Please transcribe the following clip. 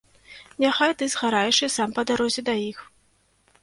Няхай ты згараеш і сам па дарозе да іх.